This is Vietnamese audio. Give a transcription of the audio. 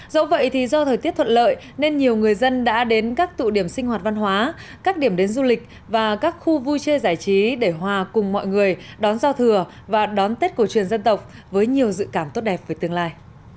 dẫu vậy thì do thời tiết thuận lợi nên nhiều người dân đã đến các tụ điểm sinh hoạt văn hóa các điểm đến du lịch và các khu vui chơi giải trí để hòa cùng mọi người đón giao thừa và đón tết cổ truyền dân tộc với nhiều dự cảm tốt đẹp về tương lai